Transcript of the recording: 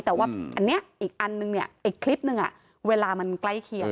แต่ว่าอันนี้อีกอันนึงเนี่ยอีกคลิปนึงเวลามันใกล้เคียง